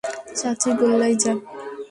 চাচি গোল্লায় যাক!